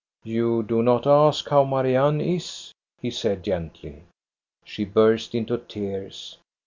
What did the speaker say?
" You do not ask how Marianne is," he said gently. She burst into tears.